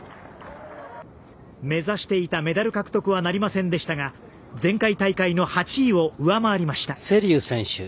目指していたメダル獲得はなりませんでしたが前回大会の８位を上回りました。